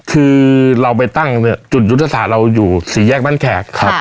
คือเราไปตั้งจุดยุทธศาสตร์เราอยู่สี่แยกบ้านแขกครับ